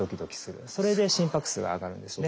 それで心拍数が上がるんですね。